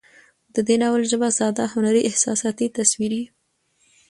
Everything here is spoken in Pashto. د دې ناول ژبه ساده، هنري، احساساتي، تصويري